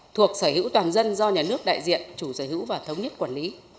thuộc sở hữu toàn dân do nhà nước đại diện chủ sở hữu và thống nhất quản lý